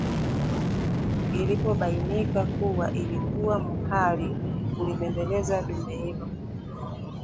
Ilipobainika kuwa ilikuwa muhali kulibembeleza dume hilo